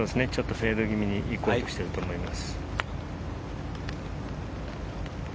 フェード気味に行こうとしていると思います。